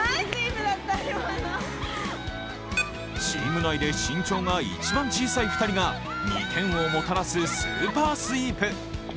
チーム内で身長が一番小さい２人が２点をもたらすスーパースイープ。